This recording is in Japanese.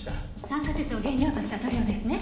酸化鉄を原料とした塗料ですね。